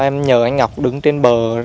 em nhờ anh ngọc đứng trên bờ